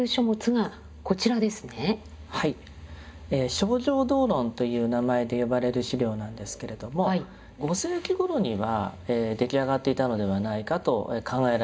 「清浄道論」という名前で呼ばれる資料なんですけれども５世紀頃には出来上がっていたのではないかと考えられている資料なんです。